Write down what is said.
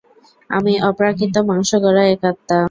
আমি অপ্রাকৃত মাংস গড়া এক আত্মা।